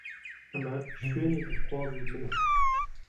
ئەمە شوێنی دڵخوازی منە.